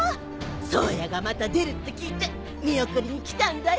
颯也がまた出るって聞いて見送りに来たんだよ。